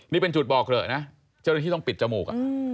นี่เป็นจุดบอกเหลือนะเจ้าหน้าที่ต้องปิดจมูก